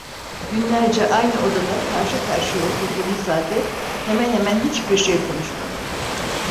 Günlerce aynı odada karşı karşıya oturduğumuz halde hemen hemen hiçbir şey konuşmadık.